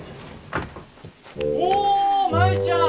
お舞ちゃん！